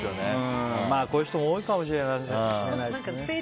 こういう人も多いかもしれないですね。